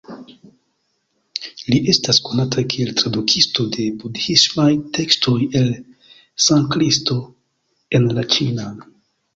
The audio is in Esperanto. Li estas konata kiel tradukisto de budhismaj tekstoj el Sanskrito en la ĉinan.